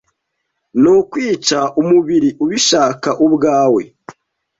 ni ukwica umubiri ubishaka ubwawe